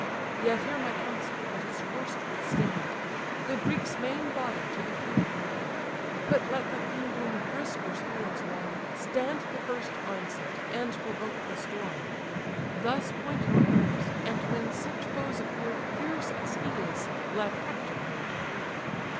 Yet hear my counsel, and his worst withstand: The Greeks' main body to the fleet command; But let the few whom brisker spirits warm, Stand the first onset, and provoke the storm. Thus point your arms; and when such foes appear, Fierce as he is, let Hector learn to fear."